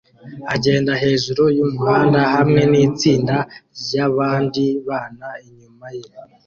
agenda hejuru yumuhanda hamwe nitsinda ryabandi bana inyuma ye